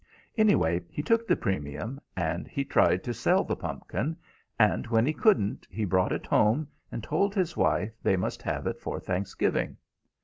Anyway, he took the premium, and he tried to sell the pumpkin, and when he couldn't, he brought it home and told his wife they must have it for Thanksgiving.